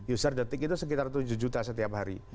user detik itu sekitar tujuh juta setiap hari